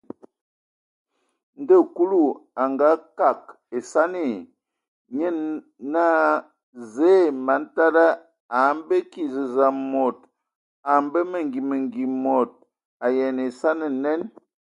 Ndo Kulu a ngakag esani, nye naa: Zǝə, man tada, a a mbǝ kig zəzə man mod. A mbə mengi mengi mod. A ayean ai esani nen !